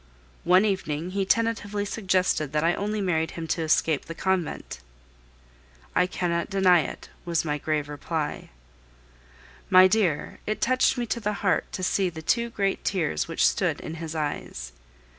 One evening he tentatively suggested that I only married him to escape the convent. "I cannot deny it," was my grave reply. My dear, it touched me to the heart to see the two great tears which stood in his eyes.